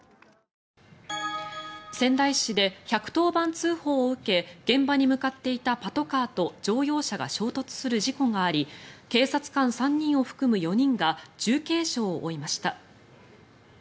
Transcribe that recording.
仙台市で１１０番通報を受け現場に向かっていたパトカーと乗用車が衝突する事故があり警察官３人を含む４人が重軽傷を負いました。